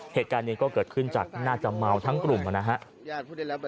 เหตุการณ์นี้ก็เกิดขึ้นจากน่าจะเมาทั้งกลุ่มนะครับ